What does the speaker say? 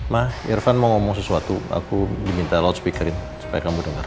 ma irfan mau ngomong sesuatu aku diminta loudspeakerin supaya kamu denger